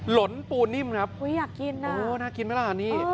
หลนปูนิ่มครับอุ้ยอยากกินอ่ะน่ากินไหมล่ะอันนี้